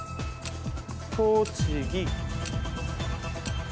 栃木。